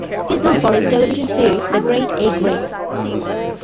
He is known for his television series "The Great Egg Race".